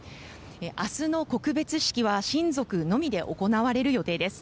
明日の告別式は親族のみで行われる予定です。